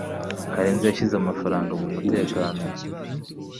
Karenzi yashyize amafaranga mumutekano.